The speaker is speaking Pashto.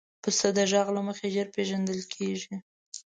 پسه د غږ له مخې ژر پېژندل کېږي.